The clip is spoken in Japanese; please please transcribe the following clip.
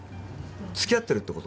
付き合ってるってこと？